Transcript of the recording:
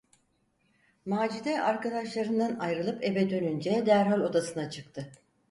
Macide arkadaşlarından ayrılıp eve dönünce derhal odasına çıktı.